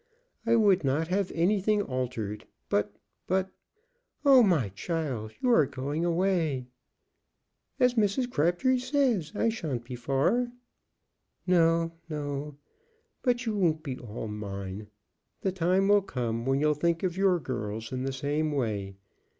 "I would not have anything altered. But but Oh, my child, you are going away!" "As Mrs. Crabtree says, I sha'n't be far." "No, no! But you won't be all mine. The time will come when you'll think of your girls in the same way.